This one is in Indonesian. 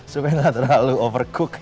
supaya gak terlalu overcook